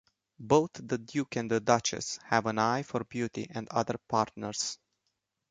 Both the Duke and Duchess have an eye for beauty and other partners.